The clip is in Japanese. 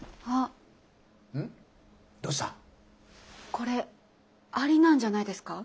これありなんじゃないですか？